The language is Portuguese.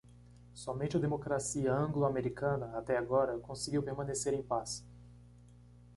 Somente a democracia anglo-americana, até agora, conseguiu permanecer em paz.